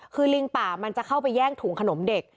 คือลิงป่ามันจะเข้าไปแย่งถุงขนมเด็ก